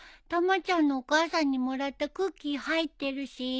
たまちゃんのお母さんにもらったクッキー入ってるし。